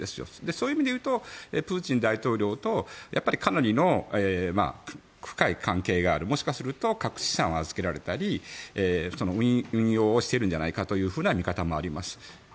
そういう意味で言うとプーチン大統領とかなりの深い関係があるもしかすると隠し資産を預けられたり運用をしているんじゃないかという見方をしています。